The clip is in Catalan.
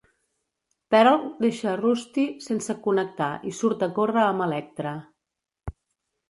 Pearl deixa Rusty sense connectar i surt a córrer amb Electra.